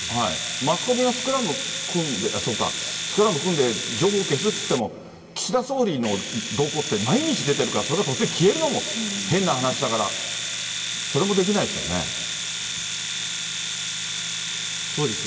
マスコミがスクラム組んで、そうか、スクラム組んで情報消すっていっても、岸田総理の動向って毎日出てるから、それが突然消えるのも変な話だから、それもできないですよね。